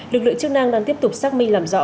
lực lượng chức năng đang tiếp tục xác minh làm rõ